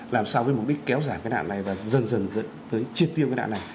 làm sao với mục đích kéo giảm cái nạn này và dần dần dẫn tới triệt tiêu cái đạn này